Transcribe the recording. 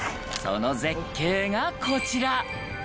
その絶景がこちら。